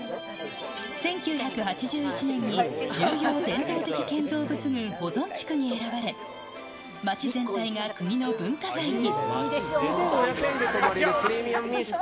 １９８１年に重要伝統的建造物群保存地区に選ばれ、町全体が国の文化財に。